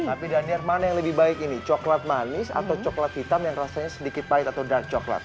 tapi daniar mana yang lebih baik ini coklat manis atau coklat hitam yang rasanya sedikit pahit atau dark coklat